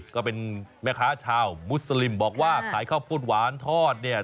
ก็เป็นแม่ค้าชาวมุสลิมบอกว่าขายข้าวปุ้นหวานทอดเนี่ย